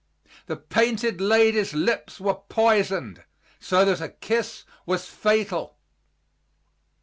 The Painted Lady's lips were poisoned, so that a kiss was fatal.